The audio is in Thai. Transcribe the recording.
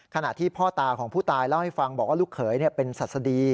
ขณะที่พ่อตาของผู้ตายเล่าให้ฟังบอกว่าลูกเขยเป็นศัษฎี